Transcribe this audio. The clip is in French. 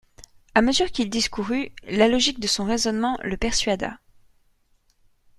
A mesure qu'il discourut, la logique de son raisonnement le persuada.